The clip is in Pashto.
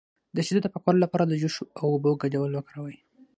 د شیدو د پاکوالي لپاره د جوش او اوبو ګډول وکاروئ